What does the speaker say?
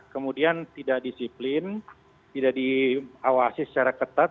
kemudian tidak disiplin tidak diawasi secara ketat